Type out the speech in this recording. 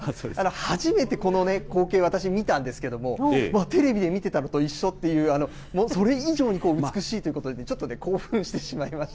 初めてこの光景、私、見たんですけれども、テレビで見てたのと一緒っていう、それ以上に美しいということでね、ちょっとね、興奮してしまいました。